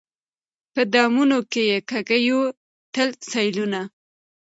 په دامونو کي یې کښېوتل سېلونه